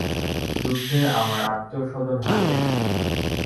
যুদ্ধে আমার আত্মীয়-স্বজন হারিয়েছি।